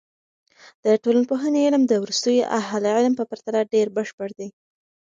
د ټولنپوهنې علم د وروستیو اهل علم په پرتله ډېر بشپړ دی.